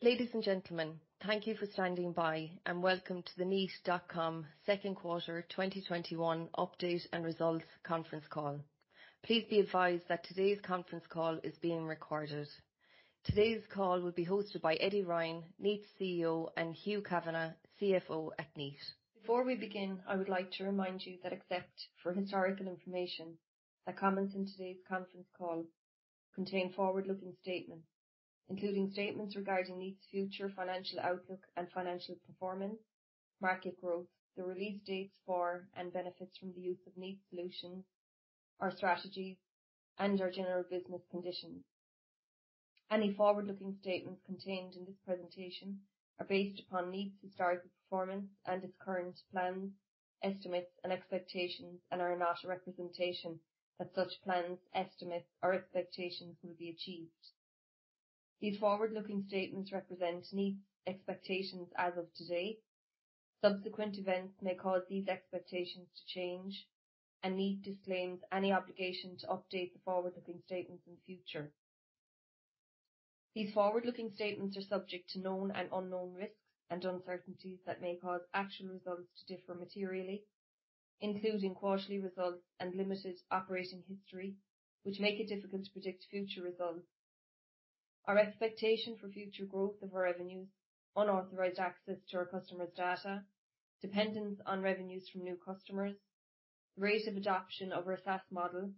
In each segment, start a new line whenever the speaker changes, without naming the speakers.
Ladies and gentlemen, thank you for standing by and welcome to the Kneat.com Q2 2021 update and results conference call. Please be advised that today's conference call is being recorded. Today's call will be hosted by Eddie Ryan, Kneat's CEO, and Hugh Kavanagh, CFO at Kneat. Before we begin, I would like to remind you that except for historical information, the comments in today's conference call contain forward-looking statements, including statements regarding Kneat's future financial outlook and financial performance, market growth, the release dates for and benefits from the use of Kneat solutions, our strategies, and our general business conditions. Any forward-looking statements contained in this presentation are based upon Kneat's historical performance and its current plans, estimates, and expectations and are not a representation that such plans, estimates or expectations will be achieved. These forward-looking statements represent Kneat's expectations as of today. Subsequent events may cause these expectations to change, and Kneat disclaims any obligation to update the forward-looking statements in the future. These forward-looking statements are subject to known and unknown risks and uncertainties that may cause actual results to differ materially, including quarterly results and limited operating history, which make it difficult to predict future results. Our expectation for future growth of our revenues, unauthorized access to our customers' data, dependence on revenues from new customers, rate of adoption of our SaaS model,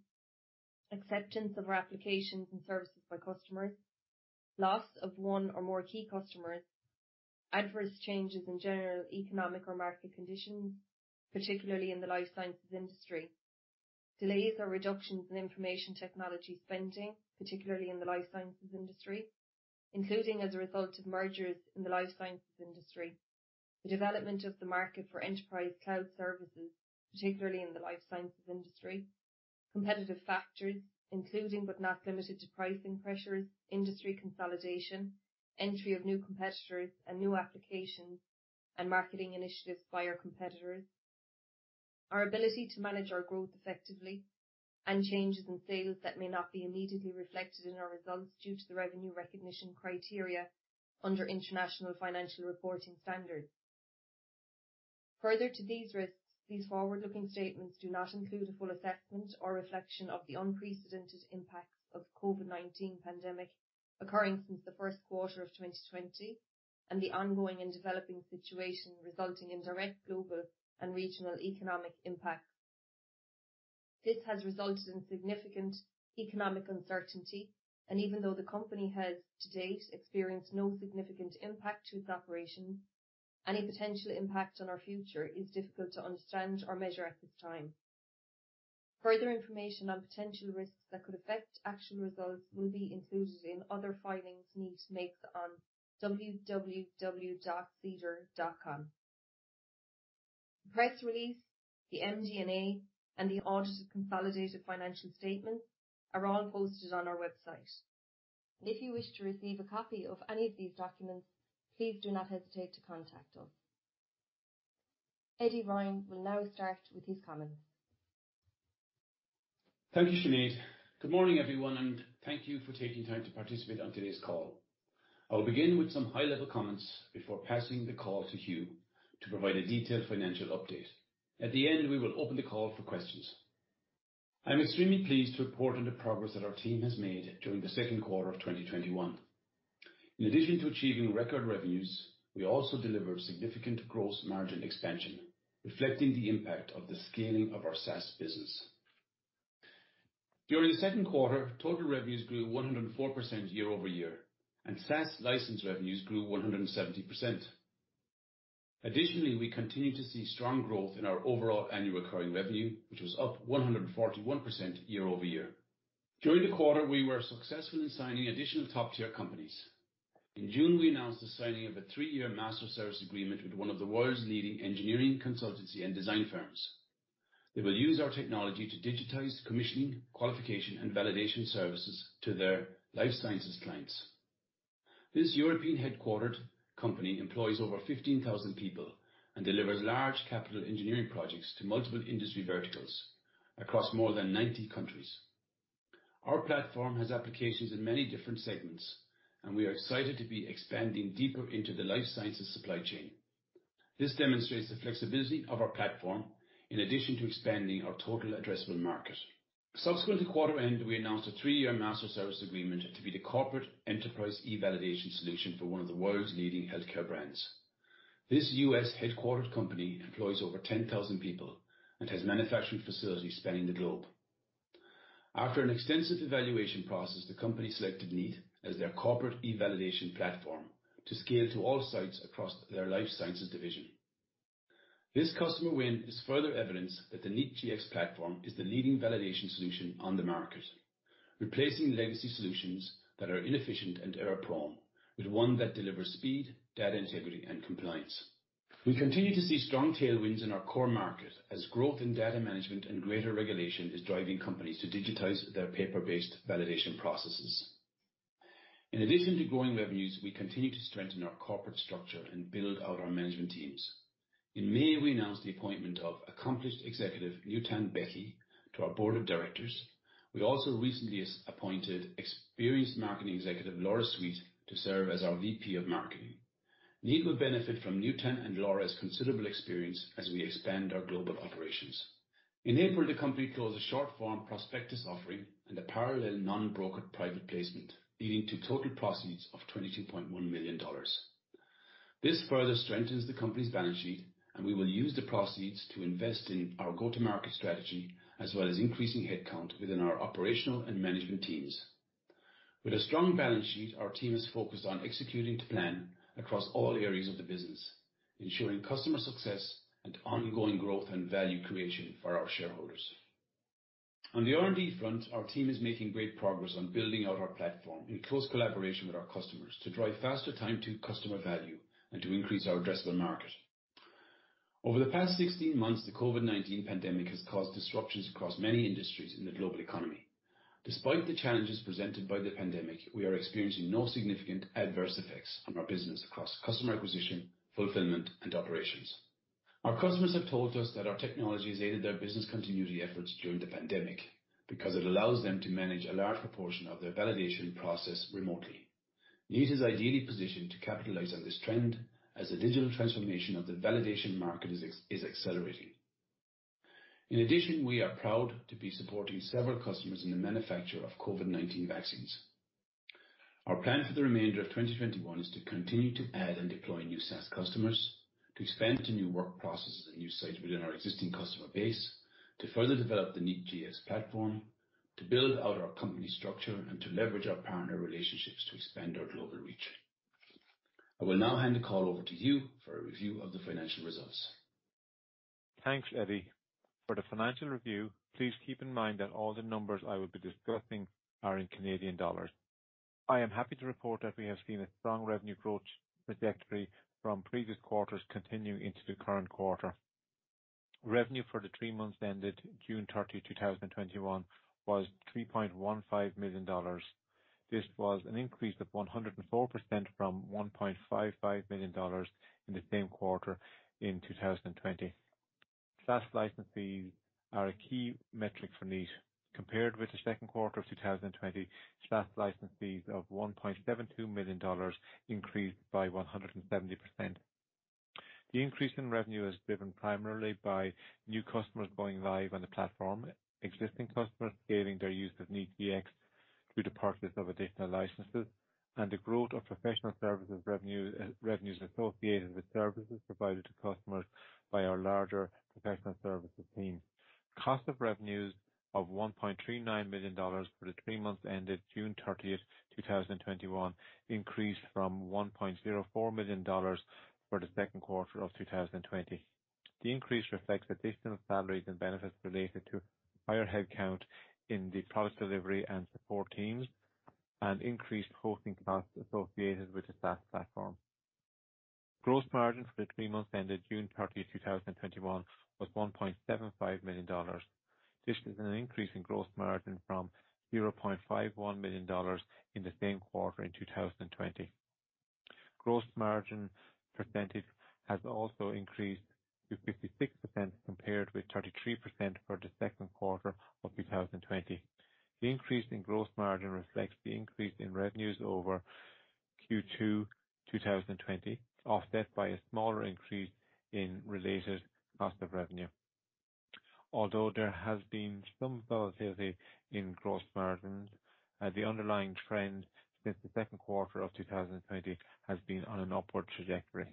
acceptance of our applications and services by customers, loss of one or more key customers, adverse changes in general economic or market conditions, particularly in the life sciences industry, delays or reductions in information technology spending, particularly in the life sciences industry, including as a result of mergers in the life sciences industry, the development of the market for enterprise cloud services, particularly in the life sciences industry, competitive factors, including but not limited to pricing pressures, industry consolidation, entry of new competitors and new applications and marketing initiatives by our competitors, our ability to manage our growth effectively and changes in sales that may not be immediately reflected in our results due to the revenue recognition criteria under International Financial Reporting Standards. Further to these risks, these forward-looking statements do not include a full assessment or reflection of the unprecedented impacts of COVID-19 pandemic occurring since the first quarter of 2020 and the ongoing and developing situation resulting in direct global and regional economic impacts. This has resulted in significant economic uncertainty, and even though the company has to date experienced no significant impact to its operations, any potential impact on our future is difficult to understand or measure at this time. Further information on potential risks that could affect actual results will be included in other filings Kneat makes on www.sedar.com. The press release, the MD&A, and the audited consolidated financial statements are all posted on our website. If you wish to receive a copy of any of these documents, please do not hesitate to contact us. Eddie Ryan will now start with his comments.
Thank you, Sinead. Good morning, everyone, and thank you for taking time to participate on today's call. I will begin with some high-level comments before passing the call to Hugh to provide a detailed financial update. At the end, we will open the call for questions. I'm extremely pleased to report on the progress that our team has made during the second quarter of 2021. In addition to achieving record revenues, we also delivered significant gross margin expansion, reflecting the impact of the scaling of our SaaS business. During the second quarter, total revenues grew 104% year-over-year, and SaaS license revenues grew 170%. Additionally, we continued to see strong growth in our overall annual recurring revenue, which was up 141% year-over-year. During the quarter, we were successful in signing additional top-tier companies. In June, we announced the signing of a three-year master service agreement with one of the world's leading engineering consultancy and design firms. They will use our technology to digitize commissioning, qualification, and validation services to their life sciences clients. This European-headquartered company employs over 15,000 people and delivers large capital engineering projects to multiple industry verticals across more than 90 countries. Our platform has applications in many different segments, and we are excited to be expanding deeper into the life sciences supply chain. This demonstrates the flexibility of our platform in addition to expanding our total addressable market. Subsequent to quarter end, we announced a three-year master service agreement to be the corporate enterprise e-validation solution for one of the world's leading healthcare brands. This U.S.-headquartered company employs over 10,000 people and has manufacturing facilities spanning the globe. After an extensive evaluation process, the company selected Kneat as their corporate e-validation platform to scale to all sites across their life sciences division. This customer win is further evidence that the Kneat Gx platform is the leading validation solution on the market, replacing legacy solutions that are inefficient and error-prone with one that delivers speed, data integrity, and compliance. We continue to see strong tailwinds in our core market as growth in data management and greater regulation is driving companies to digitize their paper-based validation processes. In addition to growing revenues, we continue to strengthen our corporate structure and build out our management teams. In May, we announced the appointment of accomplished executive, Nutan Behki, to our board of directors. We also recently appointed experienced marketing executive, Laura Sweet, to serve as our VP of marketing. Kneat will benefit from Nutan and Laura's considerable experience as we expand our global operations. In April, the company closed a short form prospectus offering and a parallel non-brokered private placement, leading to total proceeds of 22.1 million dollars. This further strengthens the company's balance sheet, we will use the proceeds to invest in our go-to-market strategy as well as increasing headcount within our operational and management teams. With a strong balance sheet, our team is focused on executing to plan across all areas of the business, ensuring customer success and ongoing growth and value creation for our shareholders. On the R&D front, our team is making great progress on building out our platform in close collaboration with our customers to drive faster time to customer value and to increase our addressable market. Over the past 16 months, the COVID-19 pandemic has caused disruptions across many industries in the global economy. Despite the challenges presented by the pandemic, we are experiencing no significant adverse effects on our business across customer acquisition, fulfillment, and operations. Our customers have told us that our technology has aided their business continuity efforts during the pandemic because it allows them to manage a large proportion of their validation process remotely. Kneat is ideally positioned to capitalize on this trend as the digital transformation of the validation market is accelerating. In addition, we are proud to be supporting several customers in the manufacture of COVID-19 vaccines. Our plan for the remainder of 2021 is to continue to add and deploy new SaaS customers, to expand to new work processes and new sites within our existing customer base, to further develop the Kneat Gx platform, to build out our company structure, and to leverage our partner relationships to expand our global reach. I will now hand the call over to Hugh for a review of the financial results.
Thanks, Eddie. For the financial review, please keep in mind that all the numbers I will be discussing are in Canadian dollars. I am happy to report that we have seen a strong revenue growth trajectory from previous quarters continuing into the current quarter. Revenue for the three months ended June 30, 2021, was 3.15 million dollars. This was an increase of 104% from 1.55 million dollars in the same quarter in 2020. SaaS license fees are a key metric for Kneat. Compared with the second quarter of 2020, SaaS license fees of 1.72 million dollars increased by 170%. The increase in revenue is driven primarily by new customers going live on the platform, existing customers scaling their use of Kneat Gx through the purchase of additional licenses, and the growth of professional services revenues associated with services provided to customers by our larger professional services team. Cost of revenues of 1.39 million dollars for the three months ended June 30th, 2021, increased from 1.04 million dollars for the second quarter of 2020. The increase reflects additional salaries and benefits related to higher headcount in the product delivery and support teams and increased hosting costs associated with the SaaS platform. Gross margin for the three months ended June 30, 2021, was 1.75 million dollars. This is an increase in gross margin from 0.51 million dollars in the same quarter in 2020. Gross margin percentage has also increased to 56% compared with 33% for the second quarter of 2020. The increase in gross margin reflects the increase in revenues over Q2 2020, offset by a smaller increase in related cost of revenue. Although there has been some volatility in gross margins, the underlying trend since the second quarter of 2020 has been on an upward trajectory.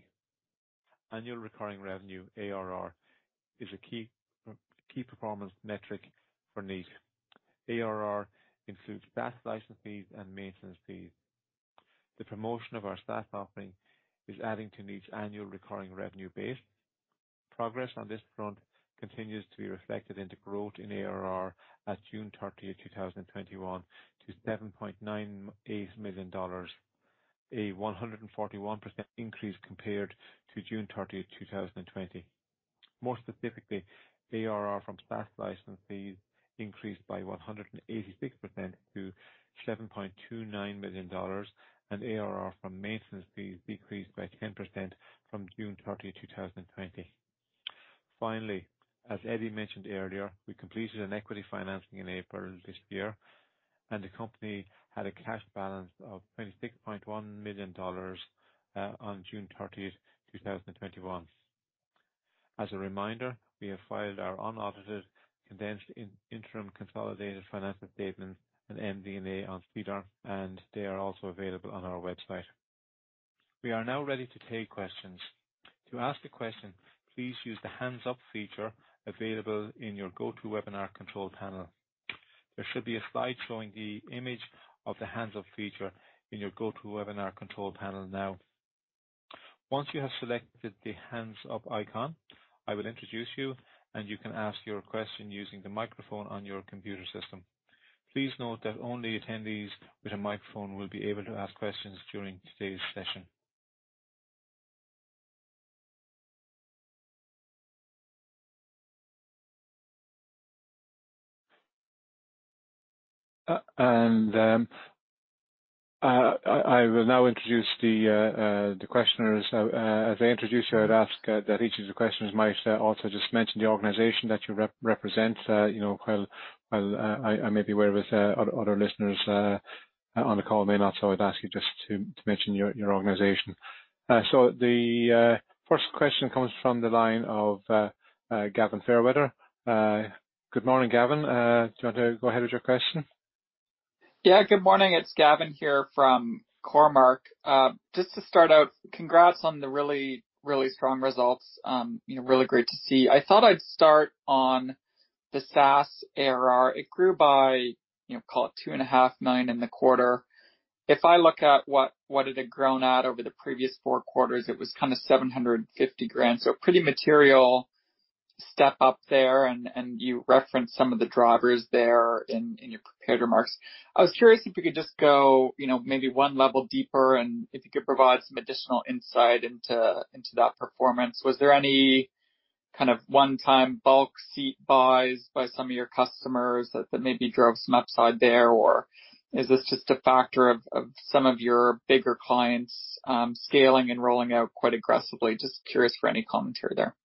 Annual recurring revenue, ARR, is a key performance metric for Kneat. ARR includes SaaS license fees and maintenance fees. The promotion of our SaaS offering is adding to Kneat's annual recurring revenue base. Progress on this front continues to be reflected in the growth in ARR at June 30, 2021, to CAD 7.98 million, a 141% increase compared to June 30, 2020. More specifically, ARR from SaaS license fees increased by 186% to 7.29 million dollars, and ARR from maintenance fees decreased by 10% from June 30, 2020. Finally, as Eddie mentioned earlier, we completed an equity financing in April this year, and the company had a cash balance of 26.1 million dollars on June 30th, 2021. As a reminder, we have filed our unaudited, condensed interim consolidated financial statements on MD&A on SEDAR, and they are also available on our website. We are now ready to take questions. To ask a question, please use the hands up feature available in your GoTo Webinar control panel. There should be a slide showing the image of the hands up feature in your GoTo Webinar control panel now. Once you have selected the hands up icon, I will introduce you can ask your question using the microphone on your computer system. Please note that only attendees with a microphone will be able to ask questions during today's session. I will now introduce the questioners. As I introduce you, I'd ask that each of the questioners might also just mention the organization that you represent. While I may be aware of it, other listeners on the call may not, so I'd ask you just to mention your organization. The first question comes from the line of Gavin Fairweather. Good morning, Gavin. Do you want to go ahead with your question?
Good morning. It's Gavin here from Cormark. Congrats on the really, really strong results. Really great to see. I thought I'd start on the SaaS ARR. It grew by 2.5 Million in the quarter. If I look at what it had grown at over the previous four quarters, it was 750,000. Pretty material step up there, and you referenced some of the drivers there in your prepared remarks. I was curious if we could just go maybe one level deeper and if you could provide some additional insight into that performance. Was there any one-time bulk seat buys by some of your customers that maybe drove some upside there? Or is this just a factor of some of your bigger clients scaling and rolling out quite aggressively? Just curious for any commentary there.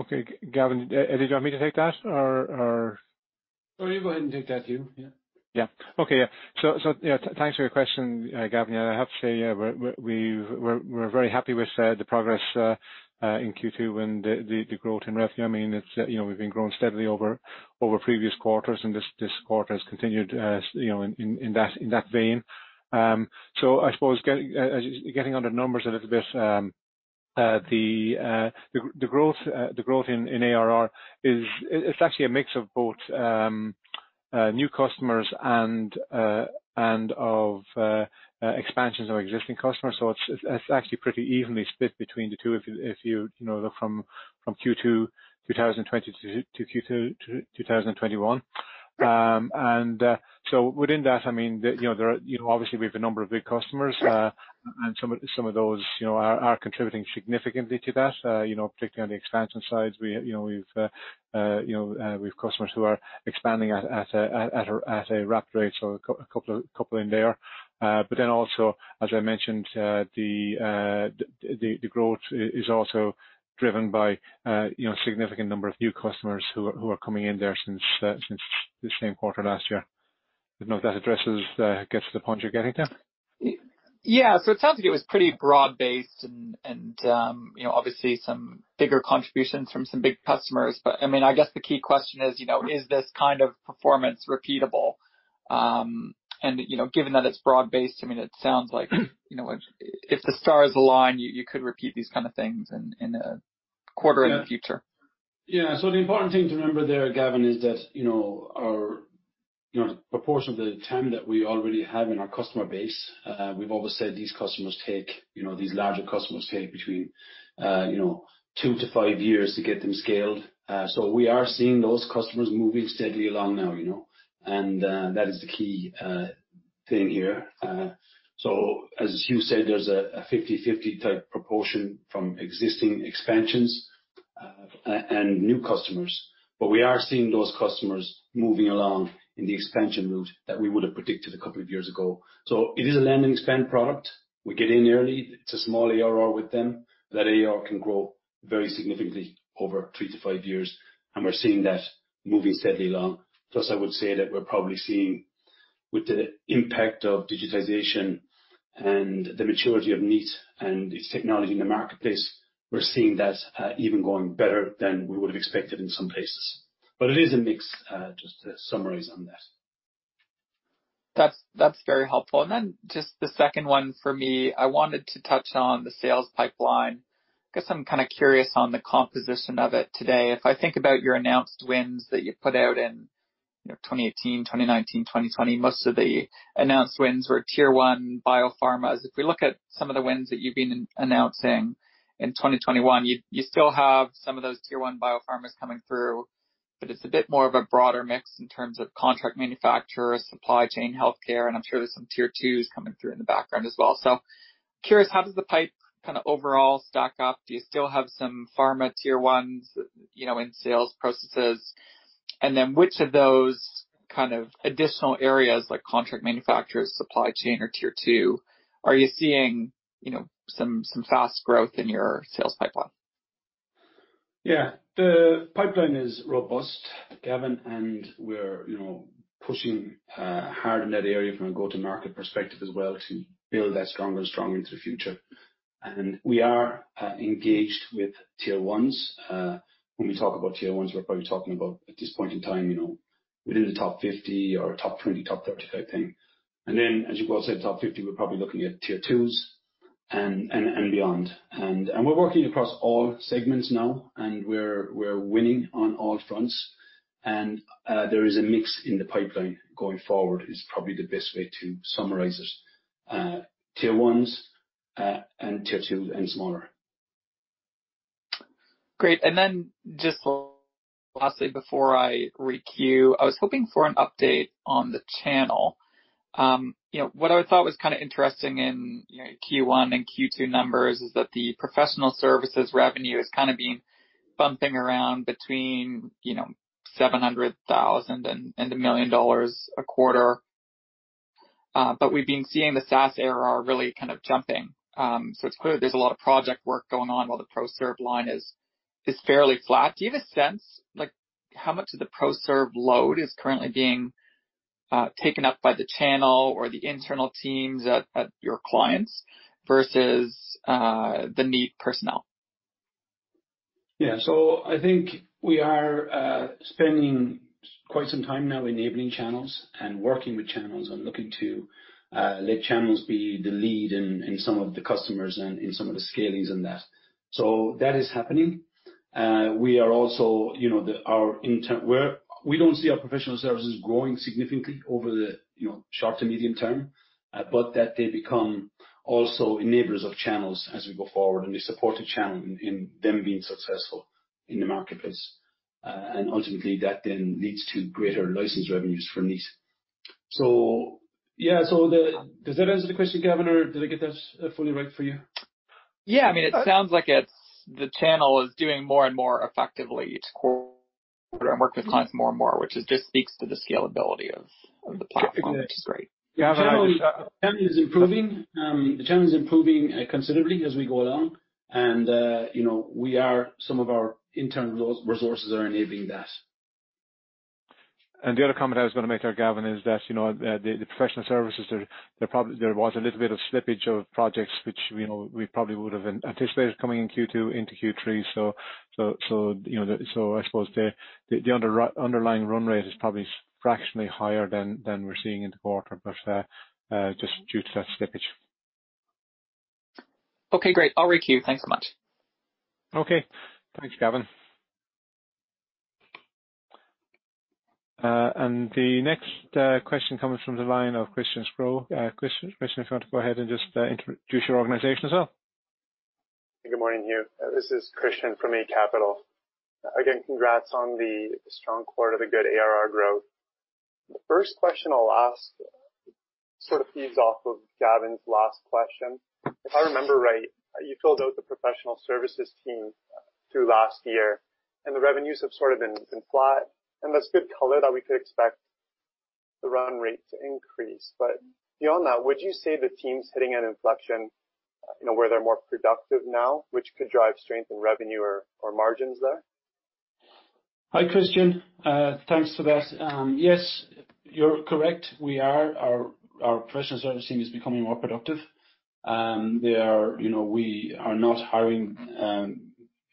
Okay. Gavin, did you want me to take that?
Oh, you go ahead and take that, Hugh. Yeah.
Thanks for your question, Gavin. I have to say, we're very happy with the progress in Q2 and the growth in revenue. We've been growing steadily over previous quarters, and this quarter has continued in that vein. I suppose getting on the numbers a little bit, the growth in ARR is actually a mix of both new customers and of expansions of existing customers. It's actually pretty evenly split between the two if you look from Q2 2020 to Q2 2021. Within that, obviously we've a number of big customers. Some of those are contributing significantly to that, particularly on the expansion side. We've customers who are expanding at a rapid rate, so a couple in there. Also, as I mentioned, the growth is also driven by a significant number of new customers who are coming in there since the same quarter last year. Didn't know if that addresses, gets to the point you're getting to.
Yeah. It sounds like it was pretty broad-based and obviously some bigger contributions from some big customers. I guess the key question is this kind of performance repeatable? Given that it's broad-based, it sounds like if the stars align, you could repeat these kind of things in a quarter in the future.
Yeah. The important thing to remember there, Gavin, is that proportion of the TAM that we already have in our customer base, we've always said these larger customers take between two to five years to get them scaled. We are seeing those customers moving steadily along now. That is the key thing here. As Hugh said, there's a 50/50 type proportion from existing expansions and new customers. We are seeing those customers moving along in the expansion route that we would have predicted a couple of years ago. It is a land and expand product. We get in early. It's a small ARR with them. That ARR can grow very significantly over three to five years, and we're seeing that moving steadily along. I would say that we're probably seeing with the impact of digitization and the maturity of Kneat and its technology in the marketplace, we're seeing that even going better than we would have expected in some places. It is a mix, just to summarize on that.
That's very helpful. Then just the second one for me, I wanted to touch on the sales pipeline. Guess I'm kind of curious on the composition of it today. If I think about your announced wins that you put out in 2018, 2019, 2020, most of the announced wins were Tier 1 biopharmas. If we look at some of the wins that you've been announcing in 2021, you still have some of those Tier 1 biopharmas coming through, but it's a bit more of a broader mix in terms of contract manufacturer, supply chain healthcare, and I'm sure there's some Tier 2s coming through in the background as well. Curious, how does the pipe kind of overall stack up? Do you still have some pharma Tier 1s in sales processes? Which of those kind of additional areas, like contract manufacturers, supply chain are Tier 2? Are you seeing some fast growth in your sales pipeline?
Yeah. The pipeline is robust, Gavin, and we're pushing hard in that area from a go-to-market perspective as well to build that stronger and stronger into the future. We are engaged with Tier 1s. When we talk about Tier 1s, we're probably talking about, at this point in time within the top 50 or top 20, top 35 thing. As you go outside top 50, we're probably looking at Tier 2s and beyond. We're working across all segments now and we're winning on all fronts. There is a mix in the pipeline going forward, is probably the best way to summarize it. Tier 1s and Tier 2s [and smaller].
Great. Just lastly, before I requeue, I was hoping for an update on the channel. What I thought was interesting in Q1 and Q2 numbers is that the professional services revenue has been bumping around between 700,000 and 1 million dollars a quarter. We've been seeing the SaaS ARR really jumping. It's clear there's a lot of project work going on while the pro serve line is fairly flat. Do you have a sense how much of the pro serve load is currently being taken up by the channel or the internal teams at your clients versus the Kneat personnel?
I think we are spending quite some time now enabling channels and working with channels and looking to let channels be the lead in some of the customers and in some of the scalings in that. That is happening. We don't see our professional services growing significantly over the short to medium term, but that they become also enablers of channels as we go forward, and they support the channel in them being successful in the marketplace. Ultimately, that then leads to greater license revenues for Kneat. Does that answer the question, Gavin, or did I get that fully right for you?
Yeah. It sounds like the channel is doing more and more effectively to and work with clients more and more, which just speaks to the scalability of the platform.
Definitely.
Which is great.
Gavin, I would-
The channel is improving considerably as we go along and some of our internal resources are enabling that.
The other comment I was going to make there, Gavin, is that the professional services there was a little bit of slippage of projects which we probably would have anticipated coming in Q2 into Q3. I suppose the underlying run rate is probably fractionally higher than we're seeing in the quarter, but just due to that slippage.
Okay, great. I'll requeue. Thanks so much.
Okay. Thanks, Gavin. The next question comes from the line of Christian Sgro. Christian, if you want to go ahead and just introduce your organization as well.
Good morning, Hugh. This is Christian from Eight Capital. Again, congrats on the strong quarter, the good ARR growth. The first question I'll ask sort of feeds off of Gavin's last question. If I remember right, you filled out the professional services team through last year, and the revenues have sort of been flat, and that's good color that we could expect the run rate to increase. Beyond that, would you say the team's hitting an inflection where they're more productive now, which could drive strength in revenue or margins there?
Hi, Christian. Thanks for that. Yes, you're correct. Our professional service team is becoming more productive. We are not hiring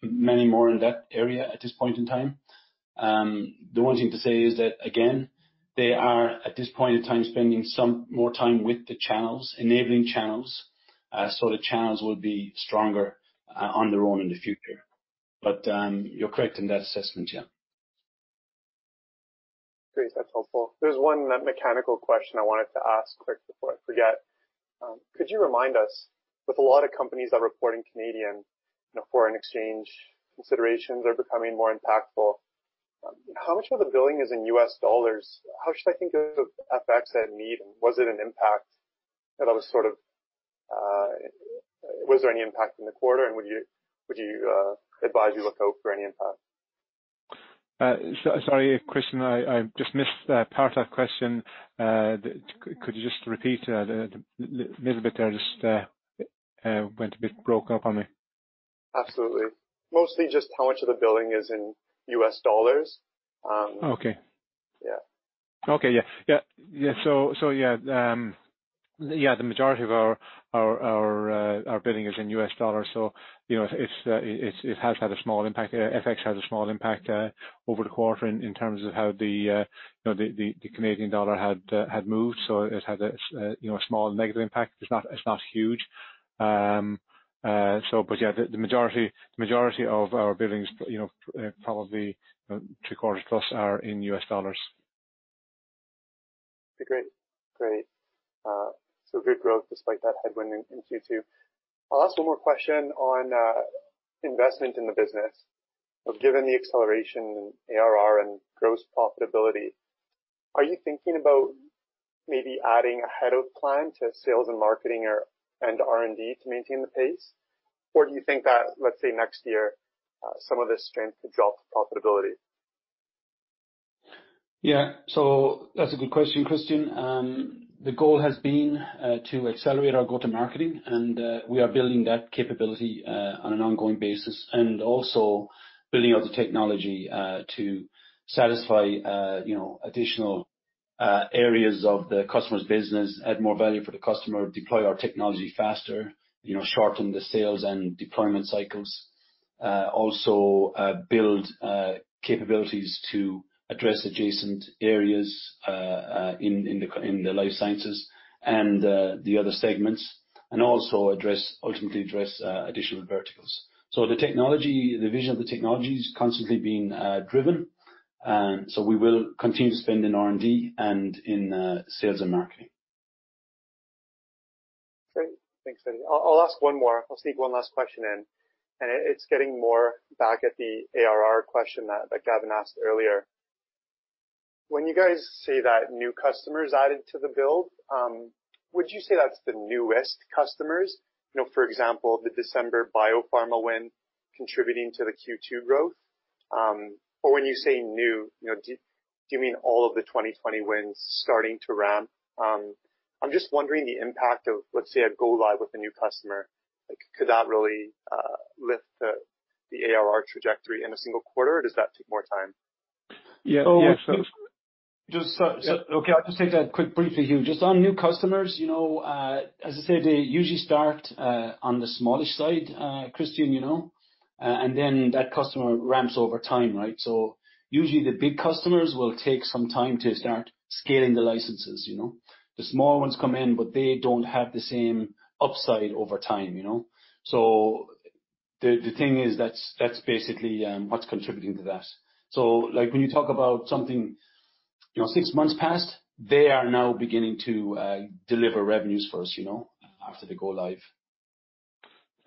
many more in that area at this point in time. The one thing to say is that, again, they are, at this point in time, spending some more time with the channels, enabling channels so the channels will be stronger on their own in the future. You're correct in that assessment, yeah.
Great. That's helpful. There is one mechanical question I wanted to ask quick before I forget. Could you remind us, with a lot of companies that are reporting Canadian foreign exchange considerations are becoming more impactful, how much of the billing is in U.S. dollars? How should I think of FX at Kneat? Was there any impact in the quarter? Would you advise you look out for any impact?
Sorry, Christian, I just missed part of that question. Could you just repeat a little bit there? Just went a bit broken up on me.
Absolutely. Mostly just how much of the billing is in U.S. dollars.
Okay.
Yeah.
Okay. Yeah. Yeah. The majority of our billing is in U.S. dollars. It has had a small impact. FX has a small impact over the quarter in terms of how the Canadian dollar had moved. It had a small negative impact. It's not huge. Yeah, the majority of our billings, probably three-quarters plus are in U.S. dollars.
Great. Good growth despite that headwind in Q2. I'll ask one more question on investment in the business. Given the acceleration in ARR and gross profitability, are you thinking about maybe adding ahead of plan to sales and marketing and R&D to maintain the pace? Or do you think that, let's say, next year, some of the strength could drop profitability?
Yeah. That's a good question, Christian. The goal has been to accelerate our go to marketing. We are building that capability on an ongoing basis and also building out the technology to satisfy additional areas of the customer's business, add more value for the customer, deploy our technology faster, shorten the sales and deployment cycles. Build capabilities to address adjacent areas in the life sciences and the other segments, ultimately address additional verticals. The vision of the technology is constantly being driven. We will continue to spend in R&D and in sales and marketing.
Great. Thanks, Eddie. I'll ask one more. I'll sneak one last question in. It's getting more back at the ARR question that Gavin asked earlier. When you guys say that new customers added to the build, would you say that's the newest customers? For example, the December biopharma win contributing to the Q2 growth? When you say new, do you mean all of the 2020 wins starting to ramp? I'm just wondering the impact of, let's say, a go-live with a new customer. Could that really lift the ARR trajectory in a single quarter, or does that take more time?
Yeah.
Okay. I'll just take that quick briefly, Hugh. Just on new customers, as I said, they usually start on the smallish side, Christian. That customer ramps over time, right? Usually the big customers will take some time to start scaling the licenses. The small ones come in, but they don't have the same upside over time. The thing is, that's basically what's contributing to that. When you talk about something, six months past, they are now beginning to deliver revenues for us after they go live.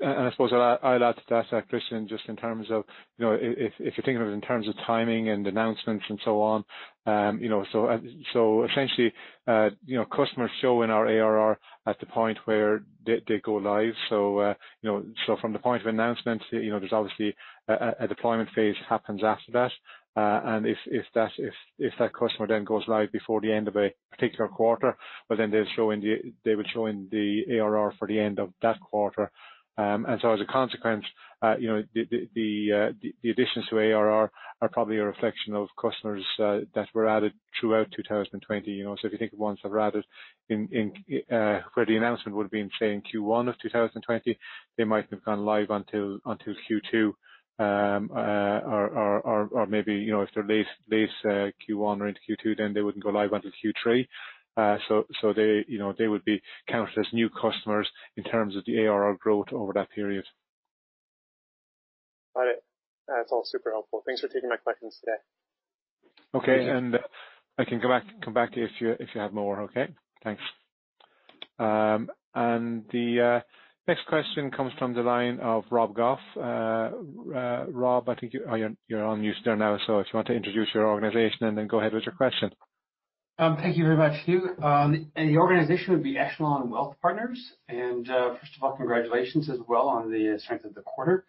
I suppose I'll add to that, Christian, just in terms of if you're thinking of it in terms of timing and announcements and so on. Essentially, customers show in our ARR at the point where they go live. From the point of announcement, there's obviously a deployment phase happens after that. If that customer then goes live before the end of a particular quarter, well, then they will show in the ARR for the end of that quarter. As a consequence the additions to ARR are probably a reflection of customers that were added throughout 2020. If you think of ones that were added where the announcement would've been, say, in Q1 of 2020, they mightn't have gone live until Q2. Maybe if they're late Q1 or into Q2, then they wouldn't go live until Q3. They would be counted as new customers in terms of the ARR growth over that period.
Got it. That's all super helpful. Thanks for taking my questions today.
Okay. I can come back if you have more, okay? Thanks. The next question comes from the line of Rob Goff. Rob, I think you're on mute there now, so if you want to introduce your organization and then go ahead with your question.
Thank you very much, Hugh. The organization would be Echelon Wealth Partners. First of all, congratulations as well on the strength of the quarter.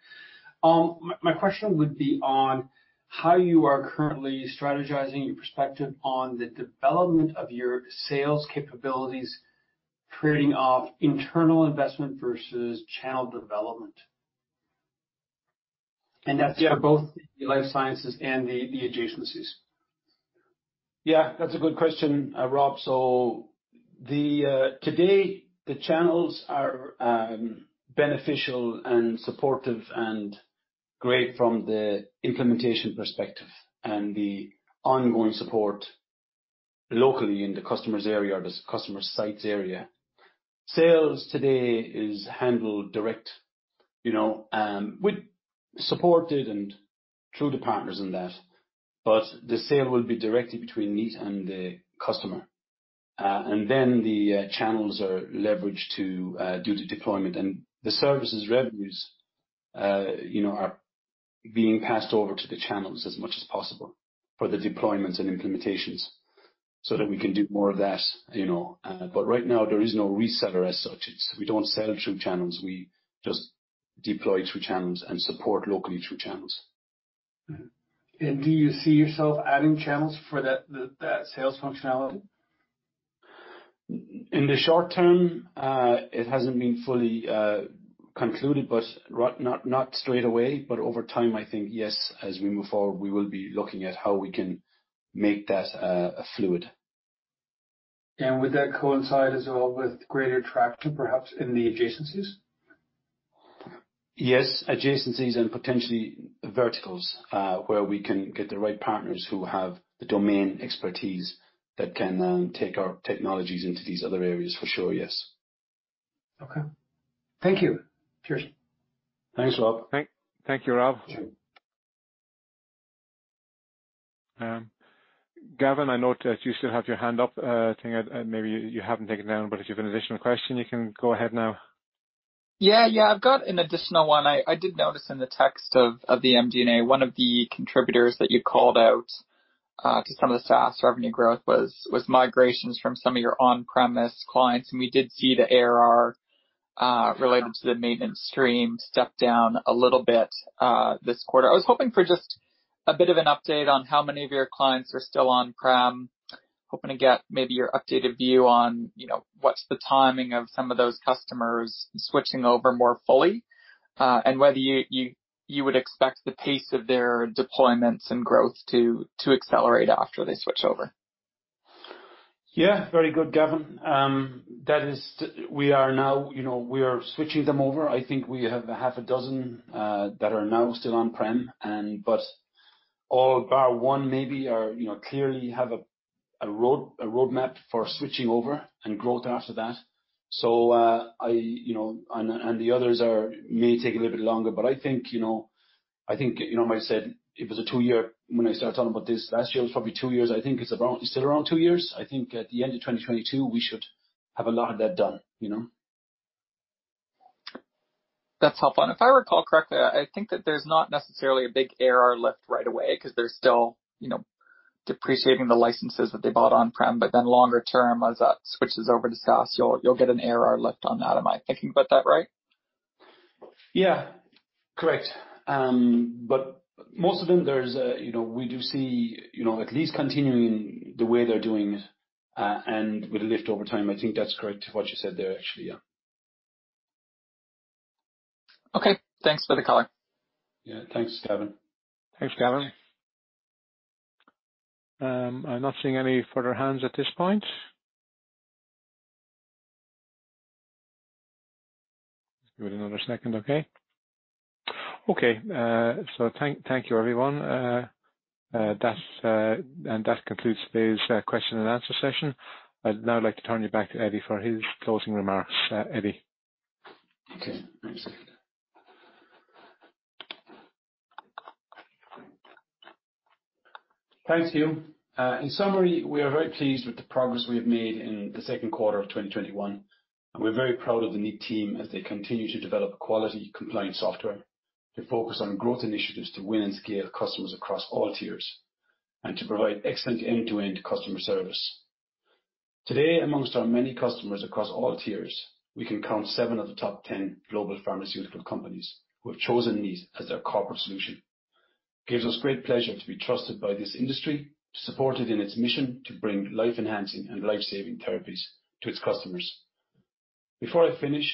My question would be on how you are currently strategizing your perspective on the development of your sales capabilities, trading off internal investment versus channel development. That's for both the life sciences and the adjacencies.
That's a good question, Rob. Today the channels are beneficial and supportive and great from the implementation perspective and the ongoing support locally in the customer sites area. Sales today is handled direct, with supported and through the partners in that. The sale will be directly between Kneat and the customer. Then the channels are leveraged to do the deployment. The services revenues are being passed over to the channels as much as possible for the deployments and implementations so that we can do more of that. Right now there is no reseller as such. We don't sell through channels. We just deploy through channels and support locally through channels.
Do you see yourself adding channels for that sales functionality?
In the short term, it hasn't been fully concluded, but not straight away. Over time, I think yes, as we move forward, we will be looking at how we can make that fluid.
Would that coincide as well with greater traction perhaps in the adjacencies?
Yes, adjacencies and potentially verticals where we can get the right partners who have the domain expertise that can then take our technologies into these other areas for sure, yes.
Okay. Thank you. Cheers.
Thanks, Rob.
Thank you, Rob. Gavin, I note that you still have your hand up. I think maybe you haven't taken it down. If you have an additional question you can go ahead now.
Yeah. I've got an additional one. I did notice in the text of the MD&A one of the contributors that you called out to some of the SaaS revenue growth was migrations from some of your on-premise clients. We did see the ARR related to the maintenance stream step down a little bit this quarter. I was hoping for just a bit of an update on how many of your clients are still on-prem. Hoping to get maybe your updated view on what's the timing of some of those customers switching over more fully. Whether you would expect the pace of their deployments and growth to accelerate after they switch over.
Yeah. Very good, Gavin. We are switching them over. I think we have half a dozen that are now still on-prem, but all bar one maybe clearly have a roadmap for switching over and growth after that. The others may take a little bit longer, but I think I might have said it was a two-year when I started talking about this last year. It was probably two years. I think it's still around two years. I think at the end of 2022, we should have a lot of that done.
If I recall correctly, I think that there's not necessarily a big ARR lift right away because they're still depreciating the licenses that they bought on-prem, but then longer term, as that switches over to SaaS, you'll get an ARR lift on that. Am I thinking about that right?
Yeah. Correct. Most of them, we do see at least continuing the way they're doing it, and with a lift over time. I think that's correct what you said there, actually. Yeah.
Okay. Thanks for the color.
Yeah. Thanks, Gavin.
Thanks, Gavin. I'm not seeing any further hands at this point. Give it another second, okay. Okay. Thank you, everyone. That concludes today's question and answer session. I'd now like to turn you back to Eddie for his closing remarks. Eddie.
Okay. Thanks. Thanks, Hugh. In summary, we are very pleased with the progress we have made in the second quarter of 2021. We're very proud of the Kneat team as they continue to develop quality compliance software to focus on growth initiatives to win and scale customers across all tiers and to provide excellent end-to-end customer service. Today, amongst our many customers across all tiers, we can count seven of the top 10 global pharmaceutical companies who have chosen Kneat as their corporate solution. Gives us great pleasure to be trusted by this industry, to support it in its mission to bring life-enhancing and life-saving therapies to its customers. Before I finish,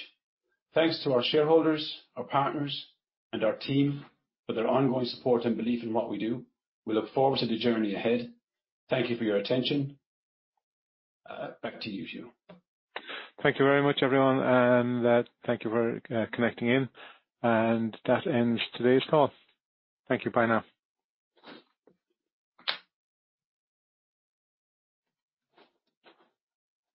thanks to our shareholders, our partners, and our team for their ongoing support and belief in what we do. We look forward to the journey ahead. Thank you for your attention. Back to you, Hugh.
Thank you very much, everyone. Thank you for connecting in, and that ends today's call. Thank you. Bye now.